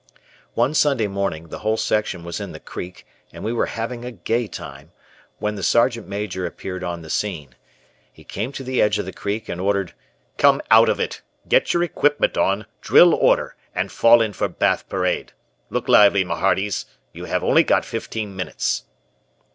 One Sunday morning, the whole section was in the creek and we were having a gay time, when the Sergeant Major appeared on the scene. He came to the edge of the creek and ordered: "Come out of it. Get your equipment on, 'Drill order,' and fall in for bath parade. Look lively my hearties. You have only got fifteen minutes."